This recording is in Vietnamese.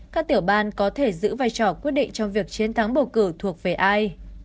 các tiểu ban có thể giữ vai trò quyết định trong việc chiến thắng bầu cử thuộc về ai